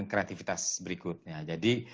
kreativitas berikutnya jadi